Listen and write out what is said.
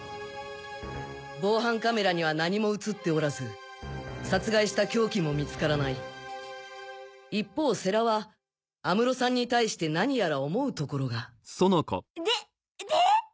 防犯カメラには何も映っておらず殺害した凶器も見つからない一方世良は安室さんに対して何やら思うところがで？で？